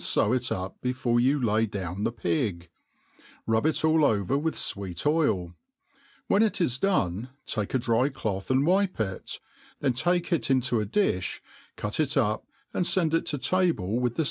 few it ugi[)efore you lay down the pig : rub it all oyer, i/i^th Iweet t>if ; '^Mn it is done, take a dry cloth and ^\pfi it, then tal^ jt into'4,diffi^ cut it xipt ^d fend it to table with, the!